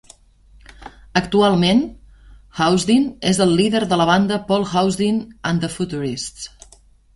Actualment, Housden és el líder de la banda Paul Housden and the Futurists.